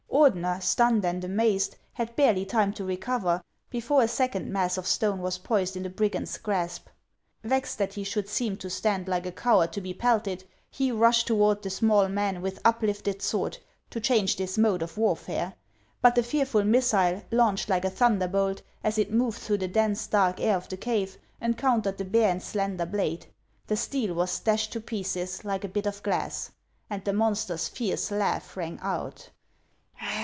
Ordener, stunned and amazed, had barely time to re cover before a second mass of stone was poised in the brigand's grasp. Vexed that he should seem to stand like a coward to be pelted, he rushed toward the small man, with uplifted sword, to change this mode of warfare ; but the fearful missile, launched like a thunderbolt, as it moved through the dense, dark air of the cave encountered the bare and slender blade ; the steel was dashed to pieces like a bit of glass, and the monster's fierce laugh rang out.